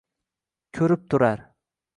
Ko’rib turar